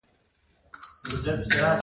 د فلو سايټومېټري حجرو ډول ښيي.